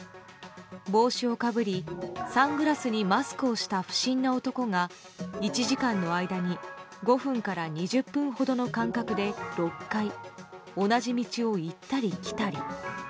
帽子をかぶり、サングラスにマスクをした不審な男が１時間の間に５分から２０分ほどの間隔で６回、同じ道を行ったり来たり。